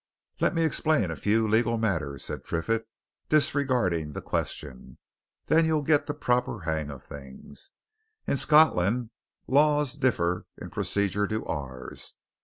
"Let me explain a few legal matters," said Triffitt, disregarding the question. "Then you'll get the proper hang of things. In Scotland, law's different in procedure to ours.